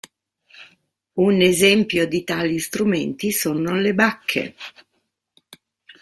Un esempio di tali strumenti sono le Bacche.